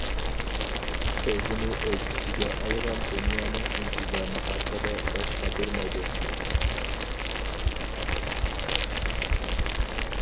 ئۆزىنى ئۆز ئىچىگە ئالغان دۇنيانىڭ ئىنتىزامى ھەققىدە باش قاتۇرمايدۇ.